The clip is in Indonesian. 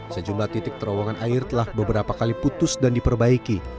sejumlah titik terowongan air telah beberapa kali putus dan diperbaiki